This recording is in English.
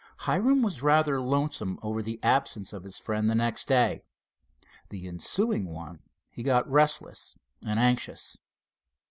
Hiram was rather lonesome over the absence of his friend the next day. The ensuing one he got restless and anxious.